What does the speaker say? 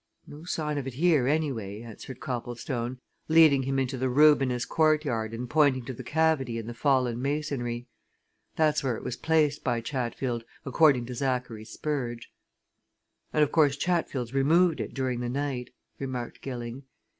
"No sign of it here, anyway," answered Copplestone, leading him into the ruinous courtyard and pointing to the cavity in the fallen masonry. "That's where it was placed by Chatfield, according to Zachary Spurge." "And of course Chatfield's removed it during the night," remarked Gilling.